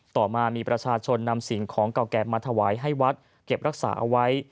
ต่อมามีประชาชนนำสิ่งของเก่าแก่มาถวายให้วัดเก็บรักษาเอาไว้